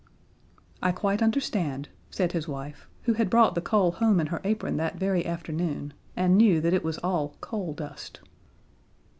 "I quite understand," said his wife, who had brought the coal home in her apron that very afternoon, and knew that it was all coal dust.